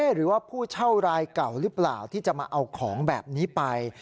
หรือว่าผู้เช่ารายเก่าหรือเปล่าที่จะมาเอาของแบบนี้ไป